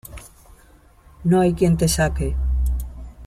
no hay quien te saque